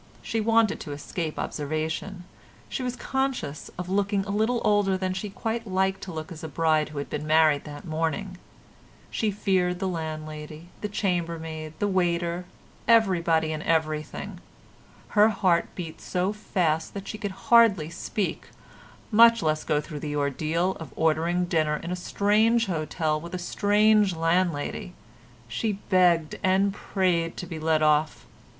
She wanted to escape observation; she was conscious of looking a little older than she quite liked to look as a bride who had been married that morning; she feared the landlady, the chamber maid, the waiter—everybody and everything; her heart beat so fast that she could hardly speak, much less go through the ordeal of ordering dinner in a strange hotel with a strange landlady. She begged and prayed to be let off.